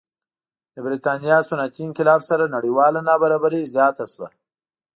د برېټانیا صنعتي انقلاب سره نړیواله نابرابري زیاته شوه.